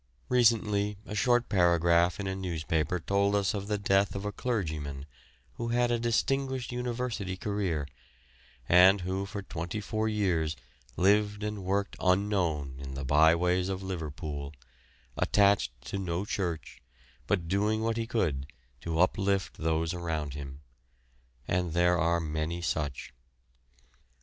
Recently a short paragraph in a newspaper told us of the death of a clergyman who had a distinguished university career, and who for twenty four years lived and worked unknown in the by ways of Liverpool, attached to no church, but doing what he could to uplift those around about him and there are many such.